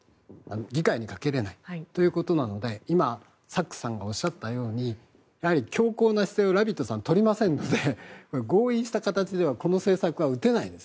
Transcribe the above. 議会にかけられないということなので今、サックスさんがおっしゃったように強硬な姿勢をラピドさんは取りませんので合意した状態ではこの政策、取れません。